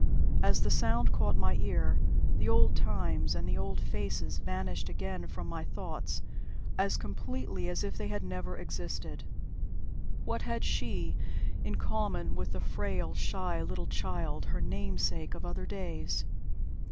As the sound caught my ear, the old times and the old faces vanished again from my thoughts as completely as if they had never existed. What had she in common with the frail, shy little child, her namesake, of other days?